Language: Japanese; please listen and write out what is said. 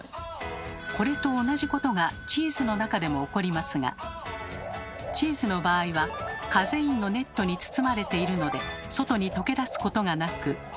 これと同じことがチーズの中でも起こりますがチーズの場合はカゼインのネットに包まれているので外に溶け出すことがなく。